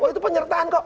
itu penyertaan kok